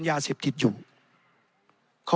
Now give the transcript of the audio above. ในทางปฏิบัติมันไม่ได้